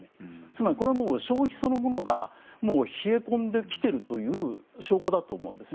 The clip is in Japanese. つまりこれは消費そのものが冷え込んできているという証拠だと思うんです。